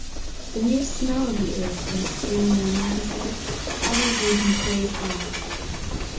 The mere smell of the earth in a spring morning, he said, always made him praise God.